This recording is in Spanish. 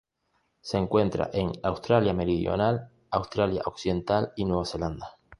Se encuentra en Australia Meridional, Australia Occidental y Nueva Zelanda.